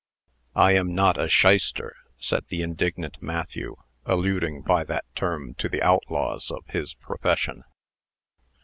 "I am not a shyster!" said the indignant Matthew, alluding, by that term, to the outlaws of his profession.